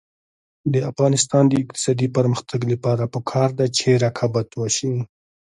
د افغانستان د اقتصادي پرمختګ لپاره پکار ده چې رقابت وشي.